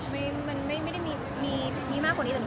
มีมากกว่านี้แต่หนูไม่พูดอีกค่ะ